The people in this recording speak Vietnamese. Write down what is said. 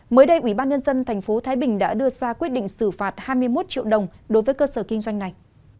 mới đây ubnd tp thái bình đã đưa ra quyết định xử phạt hai mươi một triệu đồng đối với cơ sở kinh doanh này